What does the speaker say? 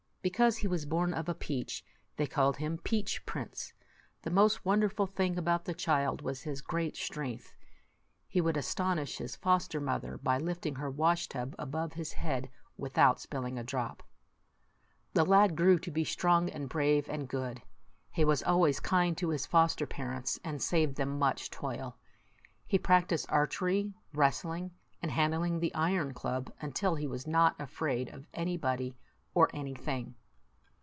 Because he was born of a peach, they called him Peach Prince. The most wonderful thing about the child was his great strength. He would astonish his fos ter mother by lifting her wash tub above his head without spilling a drop. The lad grew to be strong, and brave, and good. He was always kind to his foster parents, and saved them much toil. He practised archery, wrestling, and handling the iron club, until he was not afraid of anybody or anything.